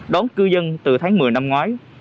đón cư dân từ tháng một mươi năm ngoái